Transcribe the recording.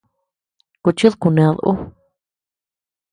Kuchid kuned ú.